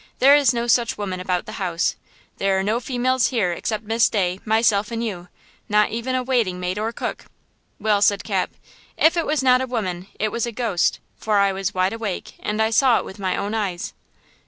there is no such woman about the house! There are no females here except Miss Day, myself and you–not even a waiting maid or cook." "Well," said Cap, "if it was not a woman it was a ghost; for I was wide awake, and I saw it with my own eyes!"